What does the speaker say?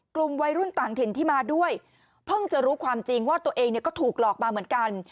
กลุ่มวัยรุ่นต่างถิ่นที่มาด้วยเพิ่งจะรู้ความจริงว่าตัวเองเนี่ยก็ถูกหลอกมาเหมือนกัน